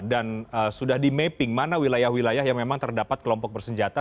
dan sudah di mapping mana wilayah wilayah yang memang terdapat kelompok bersenjata